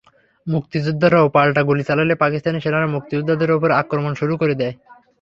মুক্তিযোদ্ধারাও পাল্টা গুলি চালালে পাকিস্তানি সেনারা মুক্তিযোদ্ধাদের ওপর আক্রমণ শুরু করে দেয়।